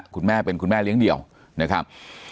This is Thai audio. คุณแม่เป็นคุณแม่เลี้ยงเดี่ยวนะครับ